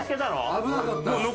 危なかったです。